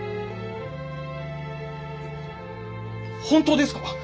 本当ですか？